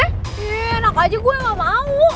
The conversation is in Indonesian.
eh enak aja gue gak mau